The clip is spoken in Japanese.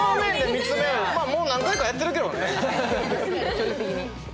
距離的に。